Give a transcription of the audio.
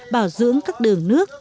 bảo dưỡng các đường nước